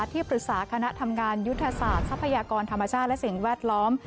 ที่ปรึกษาคณะทำงานยุทธศาสตร์ทรัพยากรธรรมชาติและสิ่งแวดล้อม